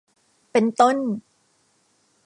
เป็นต้น